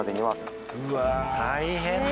大変だ！